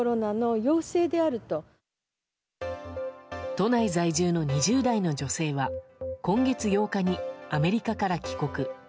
都内在住の２０代の女性は今月８日にアメリカから帰国。